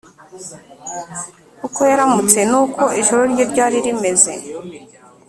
uko yaramutse n’uko ijoro rye ryari rimeze,